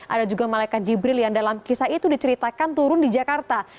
ada juga malaikat jibril yang dalam kisah itu diceritakan turun di jakarta